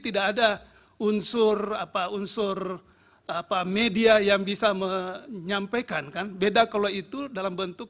tidak ada unsur apa unsur apa media yang bisa menyampaikan kan beda kalau itu dalam bentuk